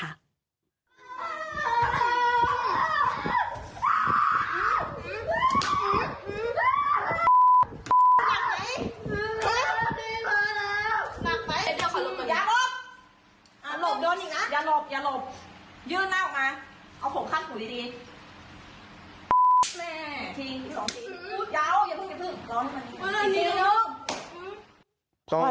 อย่าหลบอย่าหลบยืนหน้าออกมาเอาหกข้างหูดี